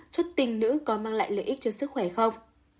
bốn xuất tinh nữ có mang lại lợi ích cho sức khỏe không